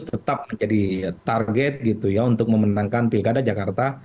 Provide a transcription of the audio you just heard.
jakarta itu tetap menjadi target untuk memenangkan pilkada jakarta